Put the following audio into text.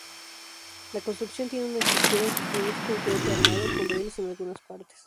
La construcción tiene una estructura es concreto armado con rieles en algunas partes.